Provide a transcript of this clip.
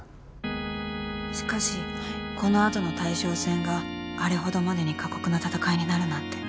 ［しかしこの後の大将戦があれほどまでに過酷な戦いになるなんて］